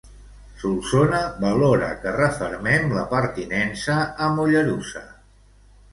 Solsona valora que refermen la pertinença a Mollerussa.